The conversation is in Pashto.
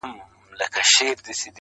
په علاج یې سول د ښار طبیبان ستړي-